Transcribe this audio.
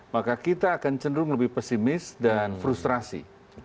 maka kita akan cenderung lebih pesimis dan frustrasi